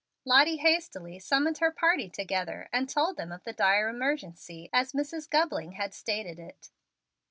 Lottie hastily summoned her party together, and told them of the dire emergency, as Mrs. Gubling had stated it.